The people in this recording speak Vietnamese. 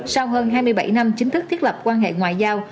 sau hơn hai mươi bảy năm chính thức thiết lập quan hệ ngoại giao